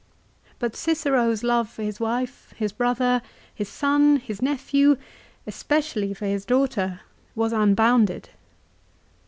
But Cicero's love for his wife, his brother, his son, his nephew, especially for his daughter was unbounded.